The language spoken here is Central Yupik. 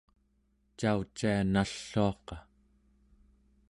caucia nalluaqa